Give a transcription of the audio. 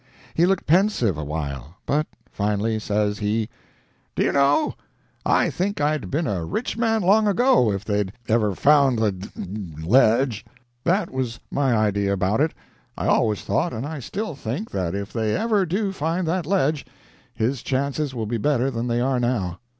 He looked pensive a while, but, finally, says he, "Do you know, I think I'd a been a rich man long ago if they'd ever found the d—d ledge?" That was my idea about it. I always thought, and I still think, that if they ever do find that ledge, his chances will be better than they are now.